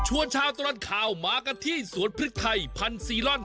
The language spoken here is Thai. ชั่วชาตร้านข่าวหมากะทิสวนพริกไทยพันซีรอน